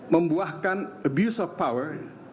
membuahkan abuse of power